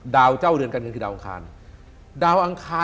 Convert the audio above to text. ดาวเจ้าเรือนการเงินคือดาวอังคาร